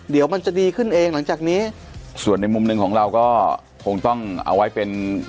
เดี๋ยวมันจะดีขึ้นเองหลังจากนี้ส่วนในมุมหนึ่งของเราก็คงต้องเอาไว้เป็น